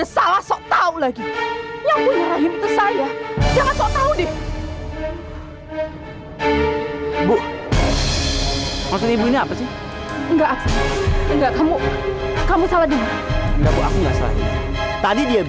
sampai jumpa di video selanjutnya